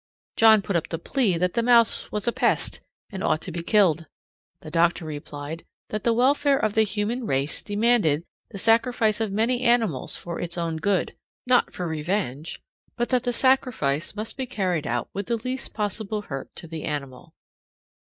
John put up the plea that the mouse was a pest and ought to be killed. The doctor replied that the welfare of the human race demanded the sacrifice of many animals for its own good, not for revenge, but that the sacrifice must be carried out with the least possible hurt to the animal.